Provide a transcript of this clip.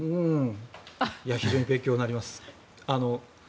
非常に勉強になります。